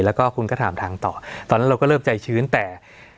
แล้วก็คุณก็ถามทางต่อตอนนั้นเราก็เริ่มใจชื้นแต่